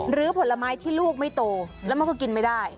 ผลไม้ที่ลูกไม่โตแล้วมันก็กินไม่ได้